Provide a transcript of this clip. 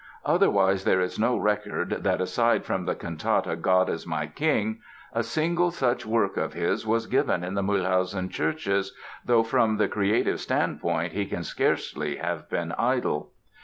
Otherwise, there is no record that, aside from the cantata God is my King, a single such work of his was given in the Mühlhausen churches, though from the creative standpoint he can scarcely have been idle.